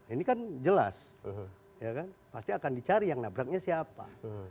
ini kan jelas pasti akan dicari yang nabraknya siapa